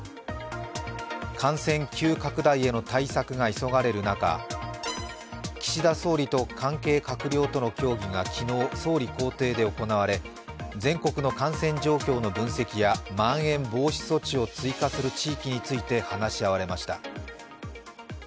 感染急拡大への対策が急がれる中岸田総理と関係閣僚の協議が昨日、総理公邸で行われ全国の感染状況の分析やまん延防止措置を追加する地域について話し合われました。